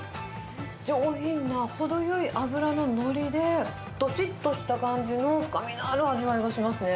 上品な程よい脂の乗りで、どしっとした感じの深みのある味わいがしますね。